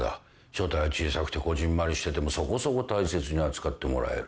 所帯は小さくてこぢんまりしててもそこそこ大切に扱ってもらえる。